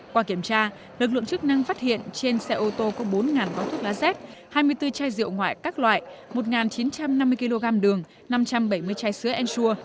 qua kiểm tra lực lượng chức năng phát hiện trên xe ô tô có bốn gói thuốc lá z hai mươi bốn chai rượu ngoại các loại một chín trăm năm mươi kg đường năm trăm bảy mươi chai sữa ensur